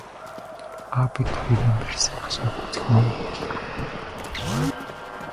Аав бид хоёрын барьсан хашааг үзэх нь үү гэлээ.